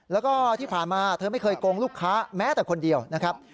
แล้วก็ที่ผ่านมาเธอไม่เคยโกงลูกค้าแม้แต่คนเดียวนะครับ